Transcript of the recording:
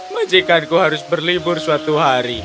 majikanku harus berlibur suatu hari